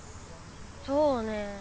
そうね。